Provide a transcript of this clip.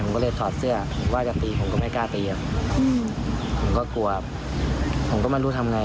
ผมก็เลยถอดเสื้อผมว่าจะตีผมก็ไม่กล้าตีครับผมก็กลัวผมก็ไม่รู้ทำไง